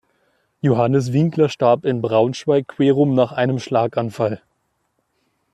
Johannes Winkler starb in Braunschweig-Querum nach einem Schlaganfall.